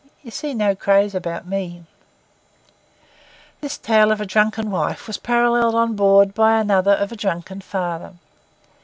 You see no craze about me.' This tale of a drunken wife was paralleled on board by another of a drunken father.